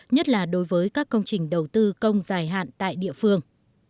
nhất là đối với các công trình đầu tư công dài hạn tại địa phương